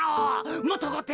もっとおこって。